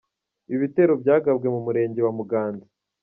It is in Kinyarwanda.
Ibi bitero byagabwe mu murenge wa Muganza.